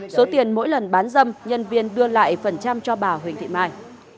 số tiền mỗi lần bán dâm nhân viên đưa lại phần trăm cho bà huỳnh thị mai